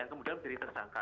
kemudian beri tersangka